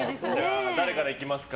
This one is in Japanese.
誰から行きますか。